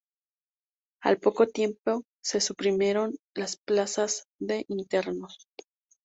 Al poco tiempo se suprimieron las plazas de internos.